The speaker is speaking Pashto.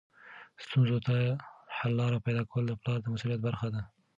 ستونزو ته حل لارې پیدا کول د پلار د مسؤلیت برخه ده.